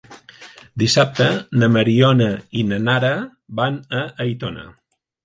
Dissabte na Mariona i na Nara van a Aitona.